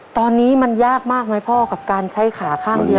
ตอนนี้มันยากมากไหมพ่อกับการใช้ขาข้างเดียว